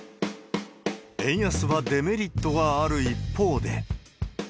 円安はデメリットがある一方で。